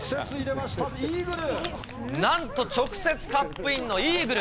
まなんと直接カップインのイーグル。